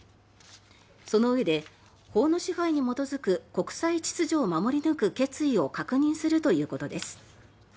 そのうえで法の支配に基づく国際秩序を守り抜く決意を確認するということです。